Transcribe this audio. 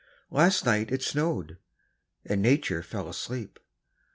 Last night it snowed; and Nature fell asleep.